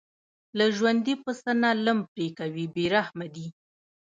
له ژوندي پسه نه لم پرې کوي بې رحمه دي.